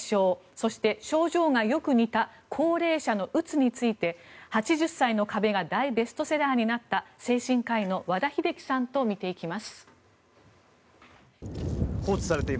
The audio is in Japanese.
そして、症状がよく似た高齢者のうつについて「８０歳の壁」が大ベストセラーになった精神科医の和田秀樹さんと見ていきます。